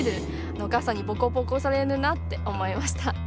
お母さんにボコボコにされるなって思いました。